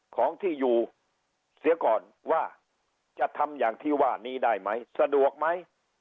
ของที่อยู่เสียก่อนว่าจะทำอย่างที่ว่านี้ได้ไหมสะดวกไหม